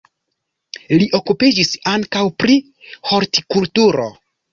Li okupiĝis ankaŭ pri hortikulturo.